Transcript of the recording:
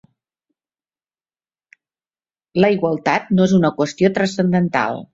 La igualtat no és una qüestió transcendental.